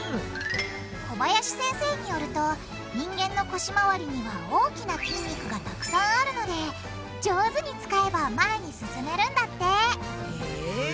小林先生によると人間の腰回りには大きな筋肉がたくさんあるので上手に使えば前に進めるんだってへぇ。